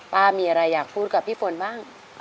มีอะไรอยากพูดกับพี่ฝนบ้าง